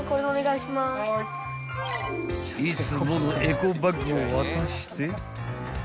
［いつものエコバッグを渡して］